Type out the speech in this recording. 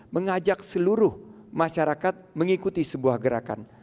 mengajak seluruh masyarakat mengikuti sebuah gerakan